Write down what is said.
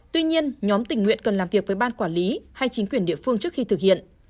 tuy nhiên nhóm tình nguyện cần làm việc với ban quản lý hay chính quyền địa phương trước khi thực hiện